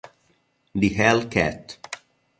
The Hell Cat